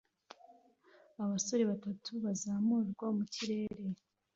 Abasore batatu bazamurwa mu kirere